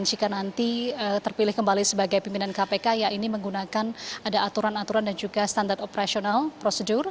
dan jika nanti terpilih kembali sebagai pimpinan kpk ya ini menggunakan ada aturan aturan dan juga standar operasional prosedur